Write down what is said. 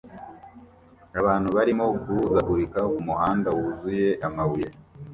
Abantu barimo guhuzagurika kumuhanda wuzuye amabuye